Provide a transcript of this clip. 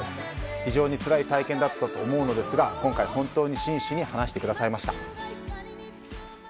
非常につらい体験だったと思いますが今回は本当に真摯に話してくださいました。